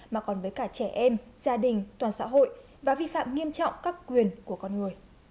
mà còn với cả trẻ em gia đình toàn xã hội và vi phạm nghiêm trọng các quyền của con người